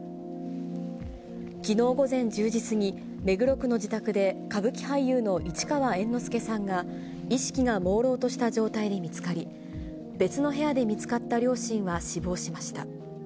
きのう午前１０時過ぎ、目黒区の自宅で歌舞伎俳優の市川猿之助さんが、意識がもうろうとした状態で見つかり、別の部屋で見つかった両親は死亡しました。